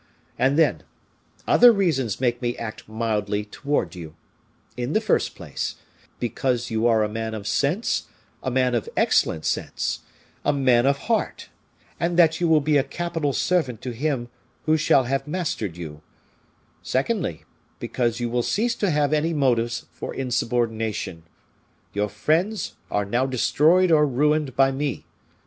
And, then, other reasons make me act mildly towards you; in the first place, because you are a man of sense, a man of excellent sense, a man of heart, and that you will be a capital servant to him who shall have mastered you; secondly, because you will cease to have any motives for insubordination. Your friends are now destroyed or ruined by me.